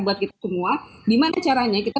buat kita semua gimana caranya kita